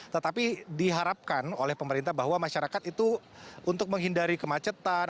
tetapi diharapkan oleh pemerintah bahwa masyarakat itu untuk menghindari kemacetan